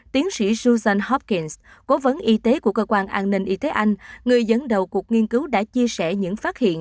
tiến sĩ josen hopkings cố vấn y tế của cơ quan an ninh y tế anh người dẫn đầu cuộc nghiên cứu đã chia sẻ những phát hiện